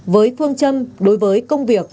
với phương châm đối với công việc